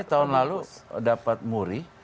tahun lalu dapat muri